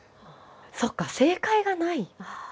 そっか正解がない。